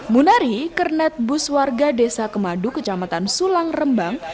munari kernet bus warga desa kemadu kecamatan sulang rembang